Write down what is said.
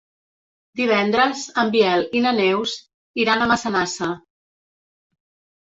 Divendres en Biel i na Neus iran a Massanassa.